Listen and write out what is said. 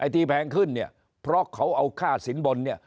ที่แพงขึ้นเนี่ยเพราะเขาเอาค่าสินบนเนี่ย